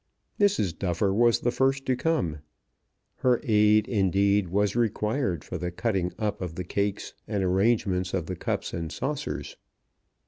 Mrs. Duffer was the first to come. Her aid, indeed, was required for the cutting up of the cakes and arrangements of the cups and saucers.